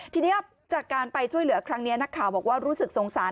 ทีนี้จากการไปช่วยเหลือครั้งนี้นักข่าวบอกว่ารู้สึกสงสาร